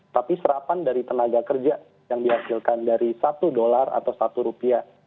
tapi serapan dari tenaga kerja yang dihasilkan dari rp satu atau rp satu